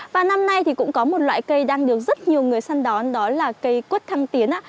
và năm nay thì cũng có một loại cây đang được rất nhiều người săn đón đó là cây quất thăng tiến